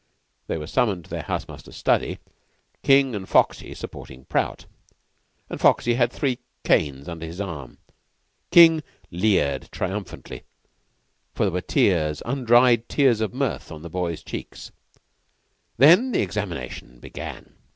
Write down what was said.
They were summoned to their house master's study, King and Foxy supporting Prout, and Foxy had three canes under his arm. King leered triumphantly, for there were tears, undried tears of mirth, on the boys' cheeks. Then the examination began.